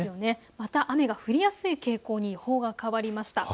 また雨が降りやすい傾向に予報が変わりました。